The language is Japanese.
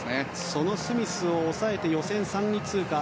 そのスミスを抑えて予選３位通過。